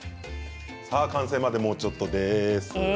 完成まで、もうちょっとです。